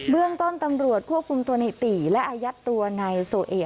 เรื่องต้นตำรวจควบคุมตัวในตีและอายัดตัวนายโซเอ